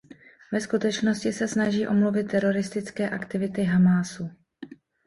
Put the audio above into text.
Ve skutečnosti se snaží omluvit teroristické aktivity Hamásu.